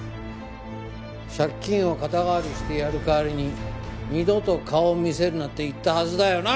借金を肩代わりしてやる代わりに二度と顔を見せるなって言ったはずだよな！？